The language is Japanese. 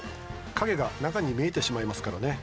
影が中に見えてしまいますからね。